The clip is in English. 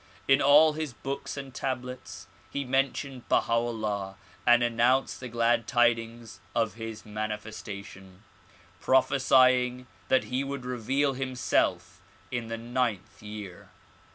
In all his books and tablets he mentioned Baha 'Ullah and announced the glad tidings of his manifestation, prophesying that he would reveal himself in the ninth year.